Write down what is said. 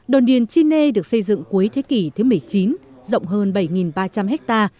đồn điền chi nê được xây dựng cuối thế kỷ thứ một mươi chín rộng hơn bảy ba trăm linh ha